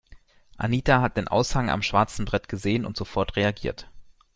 Anita hat den Aushang am schwarzen Brett gesehen und sofort reagiert.